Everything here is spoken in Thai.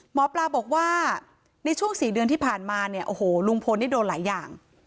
หมอปลาบอกว่าในช่วง๔เดือนที่ผ่านมาเนี่ยโอ้โหลุงพลนี่โดนหลายอย่าง